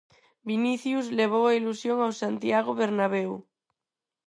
Vinicius levou a ilusión ao Santiago Bernabéu.